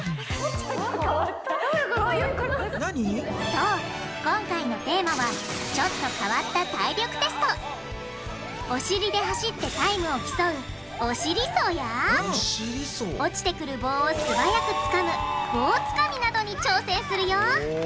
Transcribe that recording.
そう今回のテーマはお尻で走ってタイムを競う「お尻走」や落ちてくる棒を素早くつかむ「棒つかみ」などに挑戦するよ！